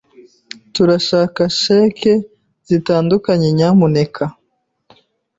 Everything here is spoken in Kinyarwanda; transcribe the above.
Turashaka cheque zitandukanye, nyamuneka.